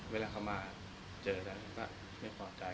เวลาเขามาเจอกันก็ไม่พอใจ